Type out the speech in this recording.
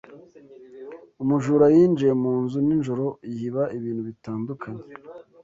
Umujura yinjiye mu nzu ninjoro yiba ibintu bitandukanye